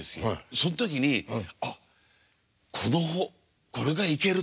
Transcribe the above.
そん時にあっこれがいけると。